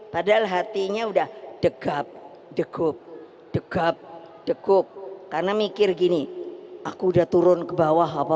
padahal hatinya udah degap degup degap degup karena mikir gini aku udah turun ke bawah